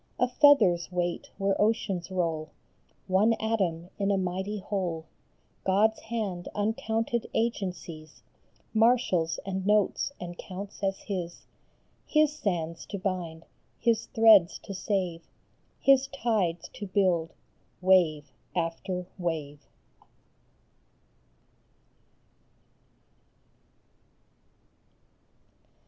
A feather s weight where oceans roll One atom in a mighty whole God s hand uncounted agencies Marshals and notes and counts as his : His sands to bind, his threads to save, His tides to build, wave after wave.